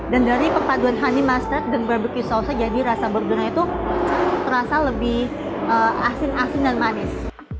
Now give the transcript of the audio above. dan dari kepaduan honey mustard dan barbecue sausnya jadi rasa burgernya itu terasa lebih asin asin dan manis